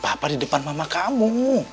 bisa jadi papa di depan mama kamu